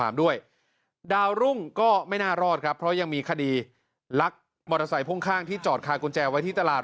ดาวรุ่งก็ไม่น่ารอดครับเพราะยังมีคดีลักมอเตอร์ไซค์พ่วงข้างที่จอดคากุญแจไว้ที่ตลาด